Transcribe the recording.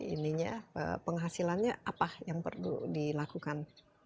ini ya penghasilannya apa yang perlu dilakukan